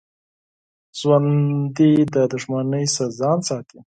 ژوندي د دښمنۍ نه ځان ساتي